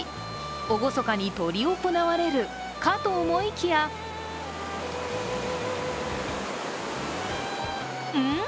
おごそかに執り行われるかと思いきやん！？